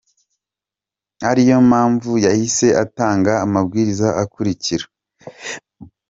Ari yo mpamvu yahise atanga amabwiriza akurikira :